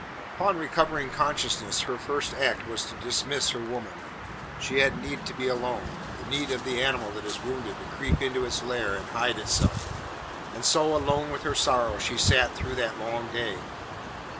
Upon recovering consciousness her first act was to dismiss her woman. She had need to be alone the need of the animal that is wounded to creep into its lair and hide itself. And so alone with her sorrow she sat through that long day.